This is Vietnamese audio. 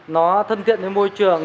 nó thân thiện với môi trường